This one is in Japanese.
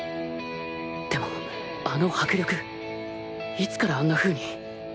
でもあの迫力いつからあんなふうに！？